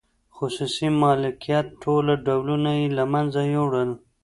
خصوصي مالکیت ټول ډولونه یې له منځه یووړل.